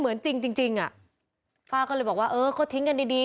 เหมือนจริงอ่ะฟ้าก็เลยบอกว่าเออเขาทิ้งกันดี